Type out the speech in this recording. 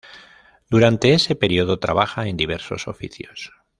Durante ese período trabaja en diversos oficios.